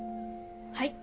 はい。